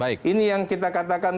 ini yang kita katakan